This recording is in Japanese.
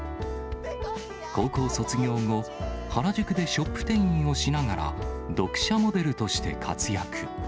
高校卒業後、原宿でショップ店員をしながら、読者モデルとして活躍。